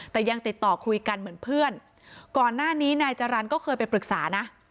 แต่ยังติดต่อคุยกันเหมือนเพื่อนก่อนหน้านี้นายจรรย์ก็เคยไปปรึกษานะ